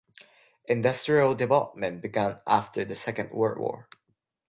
Industrial development began after the Second World War.